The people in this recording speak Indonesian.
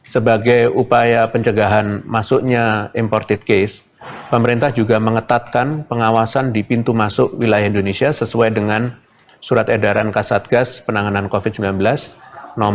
sebagai upaya pencegahan masuknya imported case pemerintah juga mengetatkan pengawasan di pintu masuk wilayah indonesia sesuai dengan surat edaran kasatgas penanganan covid sembilan belas nomor dua